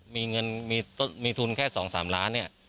มีเงินมีทุนแค่๒๓ล้านบาท